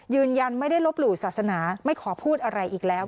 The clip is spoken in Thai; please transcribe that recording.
ยืนยันไม่ได้ลบหลู่ศาสนาไม่ขอพูดอะไรอีกแล้ว